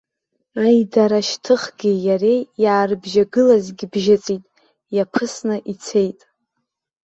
Аидарашьҭыхгеи иареи иаарыбжьагылазгьы бжьыҵит, иаԥысны ицеит.